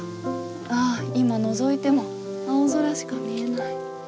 ああ今のぞいても青空しか見えない。